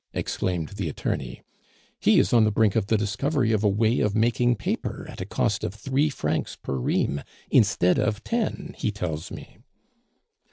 exclaimed the attorney. "He is on the brink of the discovery of a way of making paper at a cost of three francs per ream, instead of ten, he tells me."